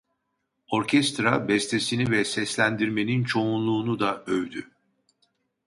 Orkestra bestesini ve seslendirmenin çoğunluğunu da övdü.